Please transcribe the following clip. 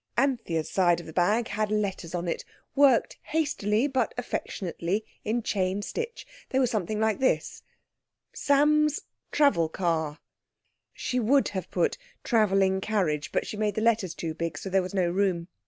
Anthea's side of the bag had letters on it—worked hastily but affectionately in chain stitch. They were something like this: She would have put "travelling carriage", but she made the letters too big, so there was no room.